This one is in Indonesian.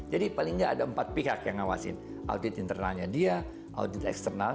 jadi paling nggak ada empat pihak yang ngawasin audit internalnya dia audit eksternal